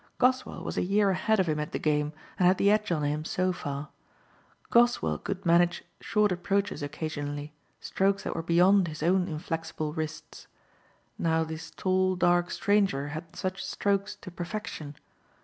Goswell was a year ahead of him at the game and had the edge on him so far. Goswell could manage short approaches occasionally, strokes that were beyond his own inflexible wrists. Now this tall, dark stranger had such strokes to perfection.